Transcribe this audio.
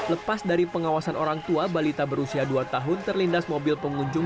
lepas dari pengawasan orang tua balita berusia dua tahun terlindas mobil pengunjung